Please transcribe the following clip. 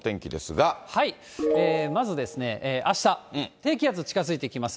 まずあした、低気圧近づいてきます。